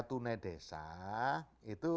tunai desa itu